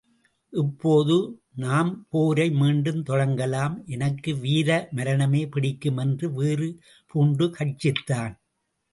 இப்போது நாம் போரை மீண்டும் தொடங்கலாம்... எனக்கு வீர மரணமே பிடிக்கும்! என்று வீறு பூண்டு கர்ஜித்தான்.